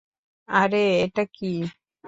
আরে, এটা কী?